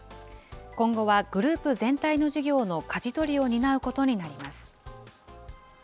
今後はグループ全体の事業のかじ取りを担うことになります。